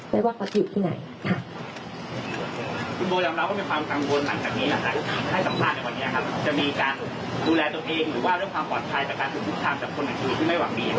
ไม่ว่าพระเจ้าอยู่ที่ไหนค่ะ